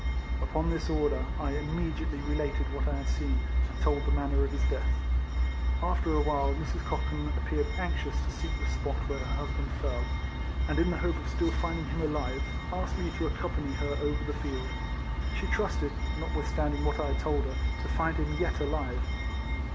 Upon this order I immediately related what I had seen, and told the manner of his death. After awhile Mrs. Cochan appeared anxious to seek the spot where her husband fell, and in the hope of still finding him alive, asked me to accompany her over the field. She trusted, notwithstanding what I had told her, to find him yet alive.